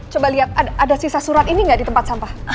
coba lihat ada sisa surat ini nggak di tempat sampah